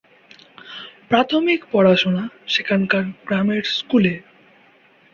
প্রাথমিক পড়াশোনা সেখানকার গ্রামের স্কুলে।